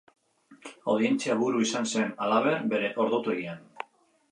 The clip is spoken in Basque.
Audientzia-buru izan zen, halaber, bere ordutegian.